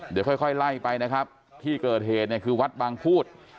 เดี๋ยวค่อยไล่ไปนะครับที่เกิดเหตุเนี่ยคือวัดบางพูด